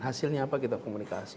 hasilnya apa kita komunikasi